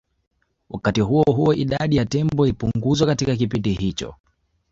Wakati huo huo idadi ya tembo ilipunguzwa katika kipindi hicho